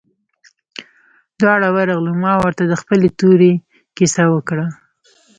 دواړه ورغلو ما ورته د خپلې تورې كيسه وكړه.